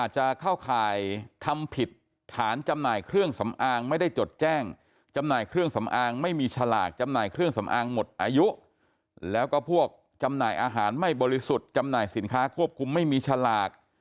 จำหน่ายเครื่องสำอางหมดอายุแล้วก็พวกจำหน่ายอาหารไม่บริสุทธิ์จำหน่ายสินค้าควบคุมไม่มีฉลาก